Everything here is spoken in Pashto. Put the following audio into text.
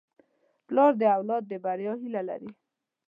پلار د اولاد د بریا هیله لري.